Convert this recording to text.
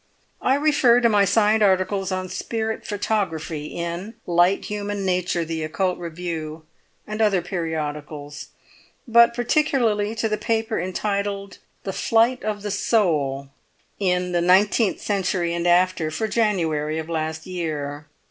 I refer to my signed articles on spirit photography in Light Human Nature, The Occult Review and other periodicals, but particularly to the paper entitled 'The Flight of the Soul,' in The Nineteenth Century and After for January of last year.